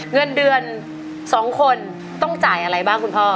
เงินเดือน๒คนต้องจ่ายอะไรบ้างคุณพ่อ